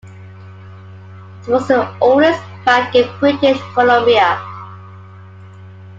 It was the oldest bank in British Columbia.